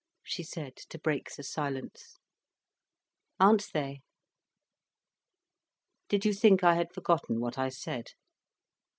she said, to break the silence. "Aren't they! Did you think I had forgotten what I said?"